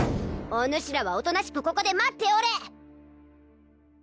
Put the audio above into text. おぬしらはおとなしくここで待っておれ！